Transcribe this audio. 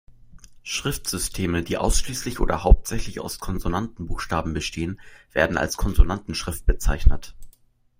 Schriftsysteme, die ausschließlich oder hauptsächlich aus Konsonantenbuchstaben bestehen, werden als Konsonantenschrift bezeichnet.